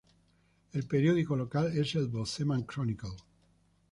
El periódico local es el "Bozeman Chronicle".